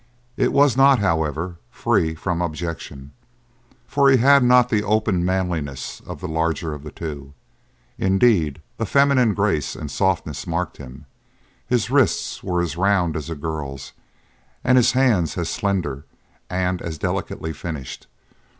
It was not, however, free from objection, for he had not the open manliness of the larger of the two. Indeed, a feminine grace and softness marked him; his wrists were as round as a girl's, and his hands as slender and as delicately finished.